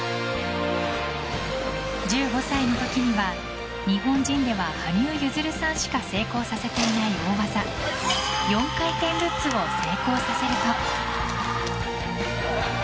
１５歳の時には日本人では羽生結弦さんしか成功させていない大技４回転ルッツを成功させると。